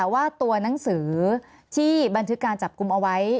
ว่าตัวหนังสือที่บันทึกการจับกลุ่มเอาไว้